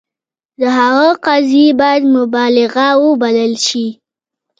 د هغه قضیې باید مبالغه وبلل شي.